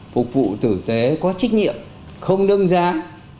phục vụ tử tế có trích nhiệm không đơn giản